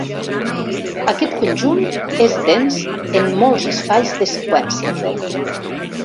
Aquest conjunt és dens en molts espais de seqüència.